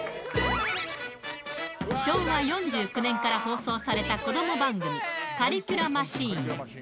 昭和４９年から放送された子ども番組、カリキュラマシーン。